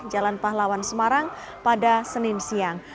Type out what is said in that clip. jalan pahlawan semarang pada senin siang